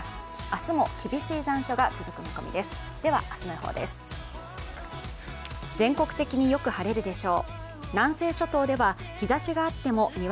明日も厳しい残暑が続く見込みです。